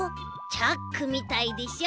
チャックみたいでしょ？